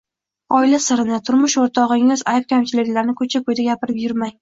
Oila sirini, turmush o‘rtog‘ingiz ayb-kamchiliklarini ko‘cha-ko‘yda gapirib yurmang.